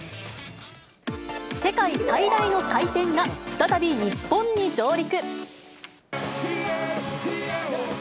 世界最大の祭典が再び日本に上陸。